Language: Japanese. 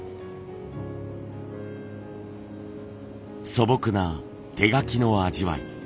素朴な手描きの味わい。